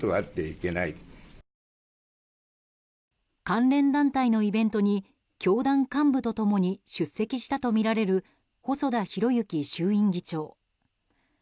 関連団体のイベントに教団幹部と共に出席したとみられる細田博之衆院議長。